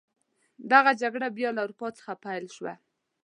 دغه جګړه بیا له اروپا څخه پیل شوه.